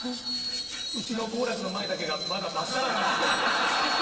うちの好楽の前だけがまだ真っさらなんですけど。